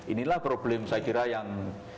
inilah problem saya kira yang